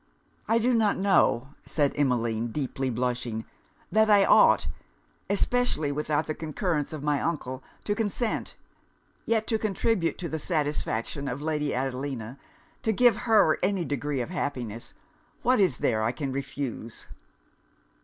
'I do not know,' said Emmeline, deeply blushing, 'that I ought, (especially without the concurrence of my uncle,) to consent; yet to contribute to the satisfaction of Lady Adelina to give her any degree of happiness what is there I can refuse?'